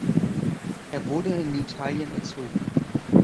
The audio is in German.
Er wurde in Italien erzogen.